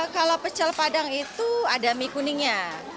kalau pecel padang itu ada mie kuningnya